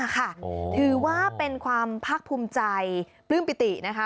ค่ะคือว่าเป็นความพักภูมิใจพลื่นปิตินะคะ